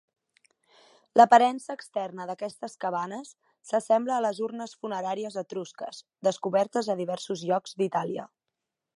L'aparença externa d'aquestes cabanes s'assembla a les urnes funeràries etrusques, descobertes a diversos llocs d'Itàlia.